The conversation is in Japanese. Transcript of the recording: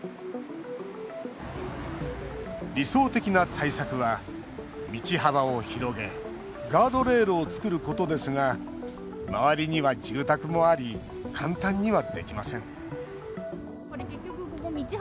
理想的な対策は、道幅を広げガードレールを作ることですが周りには住宅もあり簡単にはできません。